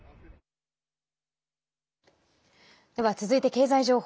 では続いて経済情報。